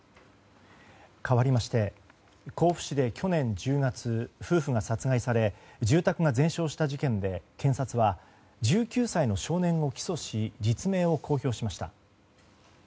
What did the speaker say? かわりまして甲府市で去年１０月夫婦が殺害され住宅が全焼した事件で検察は１９歳の少年を起訴し実名を公表しました。